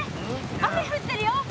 雨降ってるよ！